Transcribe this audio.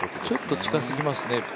ちょっと近すぎますね。